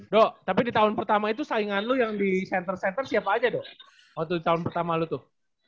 dok tapi di tahun pertama itu saingan lo yang di center center siapa aja dok waktu tahun pertama lo tuh